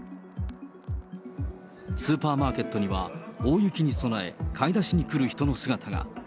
スーパーマーケットには大雪に備え、買い出しに来る人の姿が。